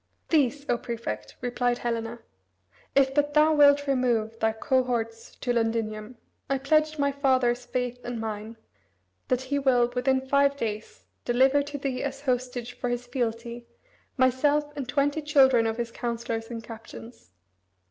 "These, O Prefect," replied Helena, "If but thou wilt remove thy cohorts to Londinium, I pledge my father's faith and mine, that he will, within five days, deliver to thee as hostage for his fealty, myself and twenty children of his councillors and captains.